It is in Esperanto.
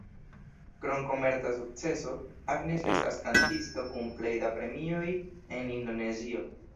Krom komerca sukceso, Agnes estas kantisto kun plej da premioj en Indonezio.